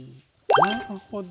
なるほど。